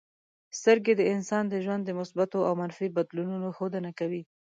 سترګې د انسان د ژوند د مثبتو او منفي بدلونونو ښودنه کوي.